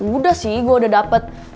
udah sih gue udah dapet